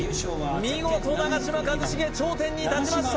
見事長嶋一茂頂点に立ちました